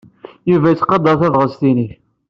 Yuba yettqadar tabɣest-nnek.